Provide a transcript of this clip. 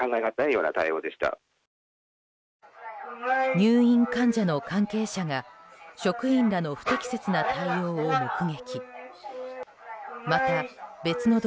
入院患者の関係者が職員らの不適切な対応を目撃。